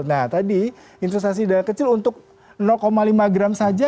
nah tadi investasi dana kecil untuk lima gram saja